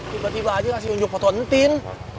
tiba tiba aja kasih unjuk foto entin